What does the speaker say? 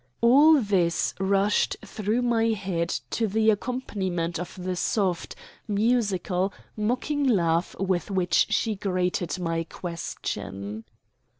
All this rushed through my head to the accompaniment of the soft, musical, mocking laugh with which she greeted my question.